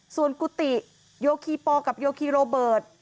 ส่วนกุฏิโยคีปอลกับโยคีโรเบิร์ต